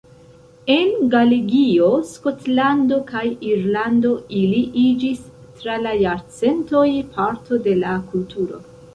En Galegio, Skotlando kaj Irlando ili iĝis tra la jarcentoj parto de la kulturo.